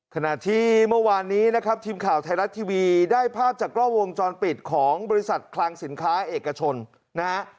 ขณะที่เมื่อวานนี้นะครับทีมข่าวไทยรัฐทีวีได้ภาพจากกล้องวงจรปิดของบริษัทคลังสินค้าเอกชนนะฮะ